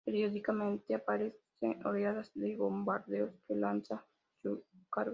Periódicamente aparecen oleadas de bombarderos que lanzan su carga.